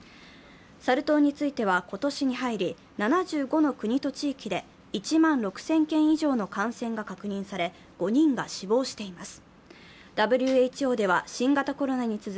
サル痘については今年に入り、７５の国と地域で１万６０００件以上の感染が確認され５人が死亡しています。